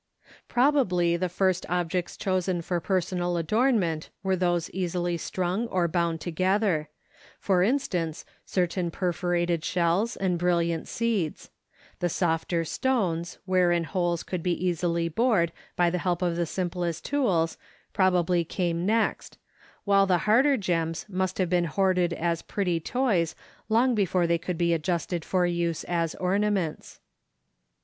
] Probably the first objects chosen for personal adornment were those easily strung or bound together,—for instance, certain perforated shells and brilliant seeds; the softer stones, wherein holes could be easily bored by the help of the simplest tools, probably came next, while the harder gems must have been hoarded as pretty toys long before they could be adjusted for use as ornaments.